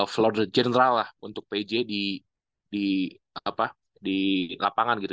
florida general lah untuk pj di di apa di lapangan gitu